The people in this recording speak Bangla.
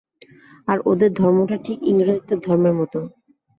আর ওঁদের ধর্মটা ঠিক ইংরেজদের ধর্মের মত।